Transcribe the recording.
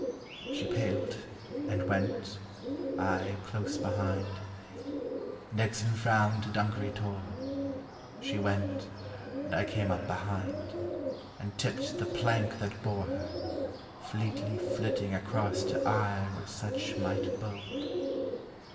She paled, and went, I close behind— And Exon frowned to Dunkery Tor, She went, and I came up behind And tipped the plank that bore Her, fleetly flitting across to eye What such might bode.